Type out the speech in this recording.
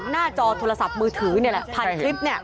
หน้าจอโทรศัพท์มือถือนี่แหละพันคลิปเนี่ย